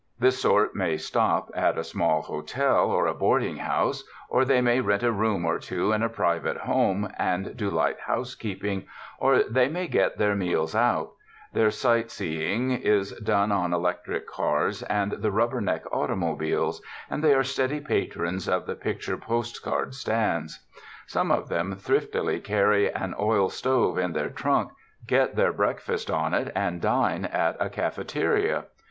This sort may stop at a small hotel or a boarding house, or they may rent a room or two in a private home and do light housekeeping, or they may get their meals out ; their sight seeing is done on electric cars and the "rubberneck" automobiles, and they are steady patrons of the picture post card stands. Some of them thriftily carry an oil stove in their trunk, get their breakfast on it, and dine at a cafe teria.